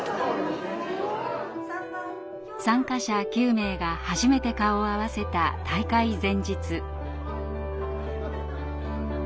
参加者９名が初めて顔を合わせた大会前日。